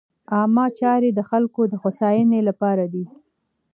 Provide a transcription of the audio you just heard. عامه چارې د خلکو د هوساینې لپاره دي.